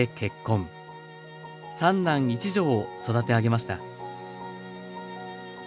三男一女を育て上げました。